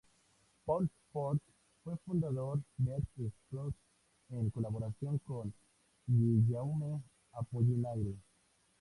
Paul Fort fue fundador de "Vers et Prose" en colaboración con Guillaume Apollinaire.